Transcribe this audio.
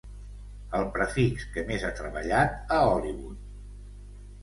El prefix que més ha treballat a Hollywood.